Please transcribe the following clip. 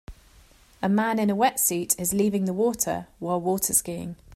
A man in a wetsuit is leaving the water while waterskiing.